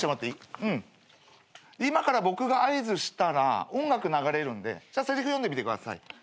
今から僕が合図したら音楽流れるんでせりふ読んでみてください。